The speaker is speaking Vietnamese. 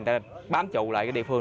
người ta bám trụ lại địa phương